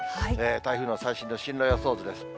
台風の最新の進路予想図です。